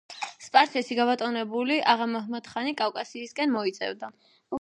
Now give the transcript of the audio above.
სპარსეთში გაბატონებული აღა–მაჰმად–ხანი, კავკასიისკენ მოიწევდა.